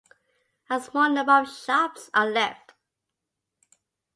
A small number of shops are left.